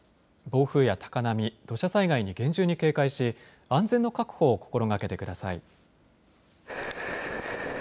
暴風や高波、土砂災害に厳重に警戒し安全の確保を心がけてください。